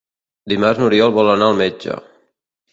Dimarts n'Oriol vol anar al metge.